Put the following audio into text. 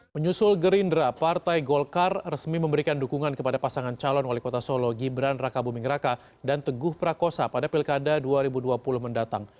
menyusul gerindra partai golkar resmi memberikan dukungan kepada pasangan calon wali kota solo gibran raka buming raka dan teguh prakosa pada pilkada dua ribu dua puluh mendatang